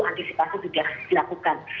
antisipasi sudah dilakukan